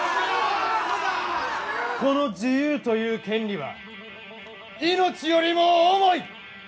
この自由という権利は命よりも重い！